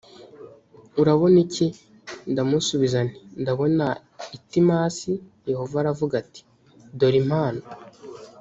urabona iki ndamusubiza nti ndabona itimasi yehova aravuga ati dore impano